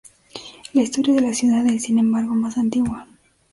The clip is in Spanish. La historia de la ciudad es, sin embargo, más antigua.